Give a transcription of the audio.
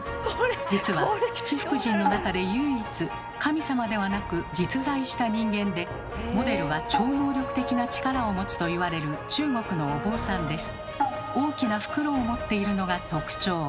実は七福神の中で唯一神様ではなく実在した人間でモデルは超能力的な力を持つといわれる中国のお坊さんです。